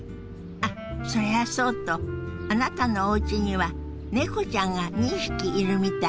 あっそれはそうとあなたのおうちには猫ちゃんが２匹いるみたいね。